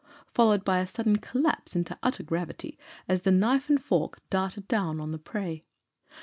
followed by a sudden collapse into utter gravity, as the knife and fork darted down on the prey.